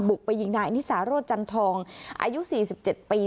บุกไปยิงนายนิสาโรจันทองอายุสี่สิบเจ็ดปี